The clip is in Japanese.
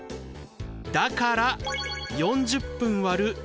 だから４０分割る２０分。